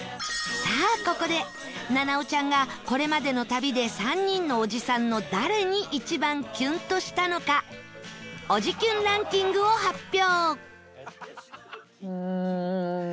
さあここで菜々緒ちゃんがこれまでの旅で３人のおじさんの誰に一番キュンとしたのかおじキュンランキングを発表